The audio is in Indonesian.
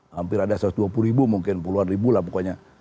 hampir ada satu ratus dua puluh ribu mungkin puluhan ribu lah pokoknya